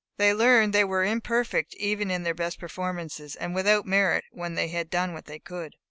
They learned they were imperfect even in their best performances, and without merit when they had done what they could.